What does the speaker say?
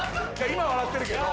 今笑ってるけど」